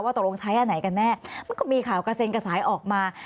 ตกลงใช้อันไหนกันแน่มันก็มีข่าวกระเซ็นกระสายออกมา